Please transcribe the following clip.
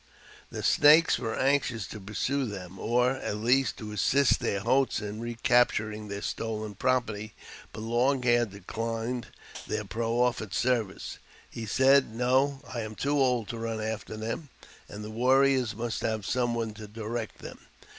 The Snakes were anxious to pursue them, or, at least, to assist their hosts in recapturing their stolen property, but Long Hair declined their proffered service. He said, " No, I am too old to run after them, and the warriors must have some one to direct them.